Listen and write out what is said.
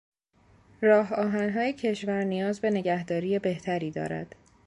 راهآهنهای کشور نیاز به نگهداری بهتری دارد.